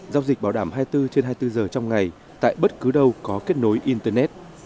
giao dịch bảo đảm hai mươi bốn trên hai mươi bốn giờ trong ngày tại bất cứ đâu có kết nối internet